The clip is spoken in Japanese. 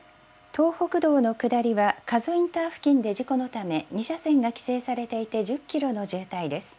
東北道の下りは、加須インター付近で事故のため、２車線が規制されていて、１０キロの渋滞です。